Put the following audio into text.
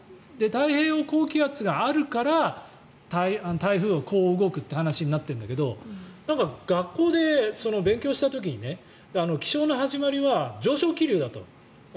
太平洋高気圧があるから台風はこう動くって話になっているんだけどなんか学校で勉強した時に気象の始まりは上昇気流だと。